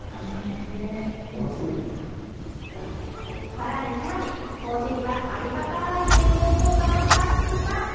さらにさらに、こうじにはありがたい健康効果もたくさん。